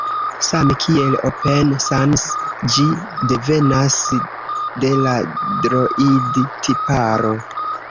Same kiel Open Sans, ĝi devenas de la Droid-tiparo.